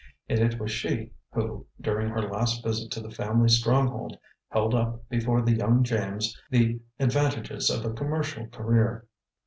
And it was she who, during her last visit to the family stronghold, held up before the young James the advantages of a commercial career.